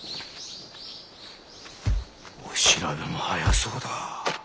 お調べも早そうだ！